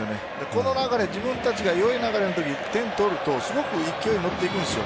この中で自分たちが良い流れのときに１点を取るとすごい勢いに乗っていく。